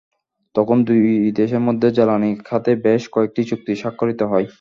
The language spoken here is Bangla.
তখন দুই দেশের মধ্যে জ্বালানি খাতে বেশ কয়েকটি চুক্তি স্বাক্ষরিত হয়।